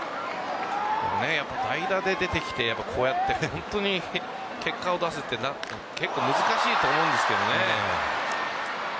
代打で出てきてこうやって結果を出すって結構難しいと思うんですけどね。